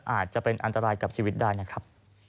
อาจจะเป็นอันตรายกับชีวิตได้นะครับ